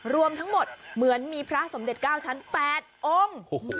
รวมทั้งหมดเหมือนมีพระสมเด็จ๙ชั้น๘องค์